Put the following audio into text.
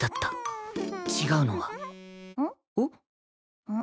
違うのはん？